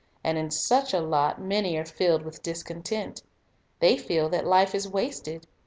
And in such a lot many are filled with discontent. They feel that life is wasted.